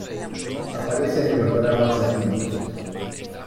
Aparecen en los dramas satíricos.